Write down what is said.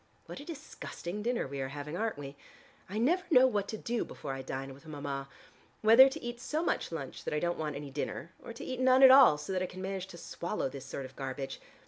What a disgusting dinner we are having, aren't we? I never know what to do before I dine with Mama, whether to eat so much lunch that I don't want any dinner, or to eat none at all so that I can manage to swallow this sort of garbage.